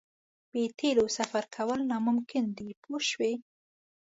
بې تیلو سفر کول ناممکن دي پوه شوې!.